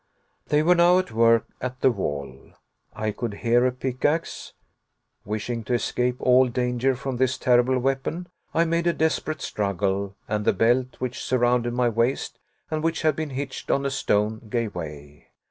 They were now at work at the wall. I could hear a pickax. Wishing to escape all danger from this terrible weapon I made a desperate struggle, and the belt, which surrounded my waist and which had been hitched on a stone, gave way.